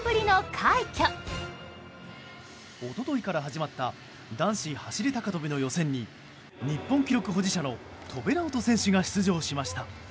一昨日から始まった男子走り高跳びの予選に日本記録保持者の戸邉直人選手が出場しました。